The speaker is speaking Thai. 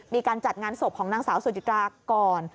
มีการจัดงานศพของนางสาวสุจิตราก่อน